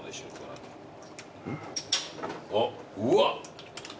あっうわ！